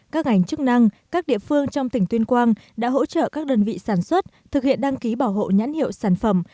các ngành chức năng các địa phương trong tỉnh tuyên quang đã hỗ trợ các đơn vị sản xuất thực hiện đăng ký bảo hộ nhãn hiệu sản phẩm